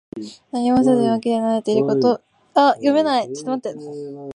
何もせずに脇で眺めていること。「拱手」は手をこまぬくの意味。